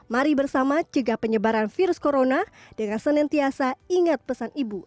mari bersama cegah penyebaran virus corona dengan senantiasa ingat pesan ibu